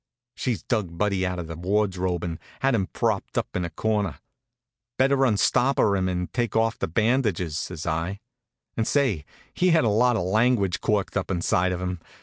She'd dug Buddy out of the wardrobe and had him propped up in a corner. "Better unstopper him and take off the bandages," says I. And say, he had a lot of language corked up inside of him.